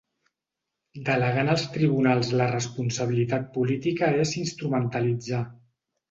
Delegar en els tribunals la responsabilitat política és instrumentalitzar.